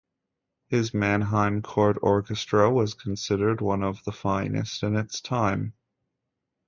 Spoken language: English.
His Mannheim court orchestra was considered one of the finest in its time.